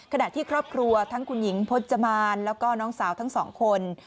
ขณะที่ครอบครัวทั้งคุณหญิงพจมานแล้วก็น้องสาวทั้งสองคน